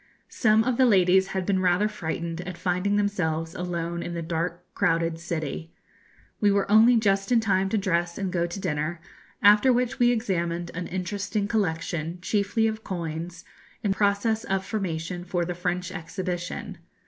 Some of the ladies had been rather frightened at finding themselves alone in the dark, crowded city. We were only just in time to dress and go to dinner, after which we examined an interesting collection, chiefly of coins, in process of formation for the French Exhibition.